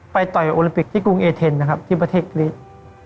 ไปต่อยโอลิมปิกที่กรุงเอเทนที่ประเทศกรีช